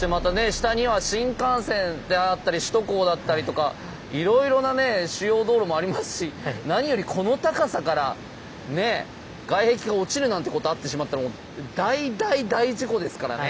下には新幹線であったり首都高だったりとかいろいろなね主要道路もありますし何よりこの高さからね外壁が落ちるなんてことあってしまったらもう大大大事故ですからね。